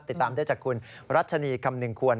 ติดตามได้จากคุณรัชนีคำหนึ่งควร